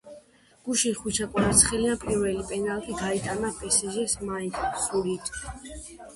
გუშინ ხვიჩა კვარაცხელიამ პირველი პენალტი გაიტანა პესეჟეს მაისურით